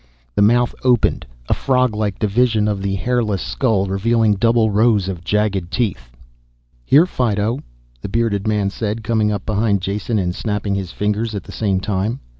The mouth opened, a froglike division of the hairless skull, revealing double rows of jagged teeth. "Here, Fido," the bearded man said, coming up behind Jason and snapping his fingers at the same time.